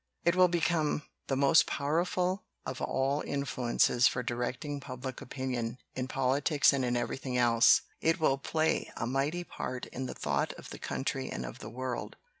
It will become the most powerful of all influences for directing public opinion in politics and in everything else. "It will play a mighty part in the thought of the country and of the world.